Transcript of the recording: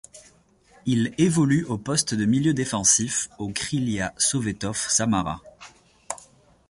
Il évolue au poste de milieu défensif au Krylia Sovetov Samara.